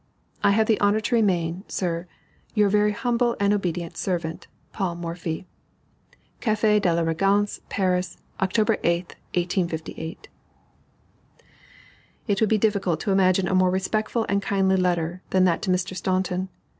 I have the honor to remain, Sir, Your very humble and obed't serv't, PAUL MORPHY. CAFE DE LA REGENCE, PARIS, Oct. 8th, 1858. It would be difficult to imagine a more respectful and kindly letter than that to Mr. Staunton.